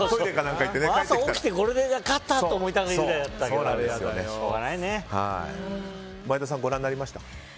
朝起きて、勝った！って思いたかったんだけど前田さん、ご覧になりました？